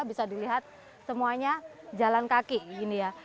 bisa dilihat semuanya jalan kaki